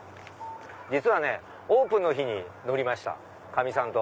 実はオープンの日に乗りましたかみさんと。